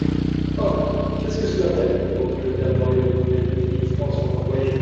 Oh ! qu'est-ce que cela fait ! reprit le père Goriot, les douze mille francs sont employés.